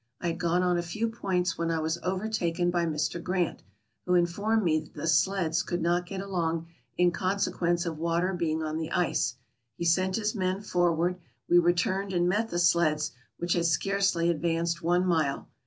I had gone on a few points when I was over taken by Mr. Grant, who informed me that the sleds could not get along in consequence of water being on the ice ; he sent his men forward ; we returned and met the sleds, which had scarcely advanced one mile.